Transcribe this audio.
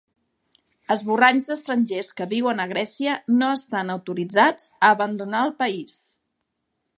Esborranys d'estrangers que viuen a Grècia no estan autoritzats a abandonar el país.